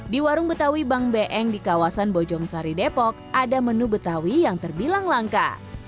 di warung betawi bang beeng di kawasan bojong sari depok ada menu betawi yang terbilang langka